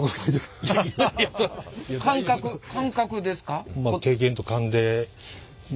感覚感覚ですか？